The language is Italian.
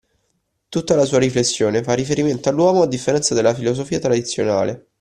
Tutta la sua riflessione fa riferimento all'uomo a differenza della filosofia tradizionale.